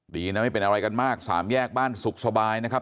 ดีนะไม่เป็นอะไรกันมากสามแยกบ้านสุขสบายนะครับ